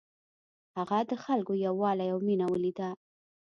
هغه د خلکو یووالی او مینه ولیده.